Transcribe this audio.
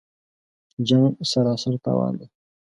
جـنګ سراسر تاوان دی